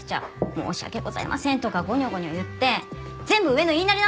「申し訳ございません」とかゴニョゴニョ言って全部上の言いなりなんだから！